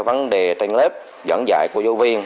vấn đề trên lớp dẫn dạy của giáo viên